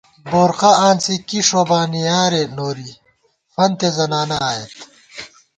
بورقہ آنڅی کی ݭوبانیارےنوری ، فنتےزنانہ آئیت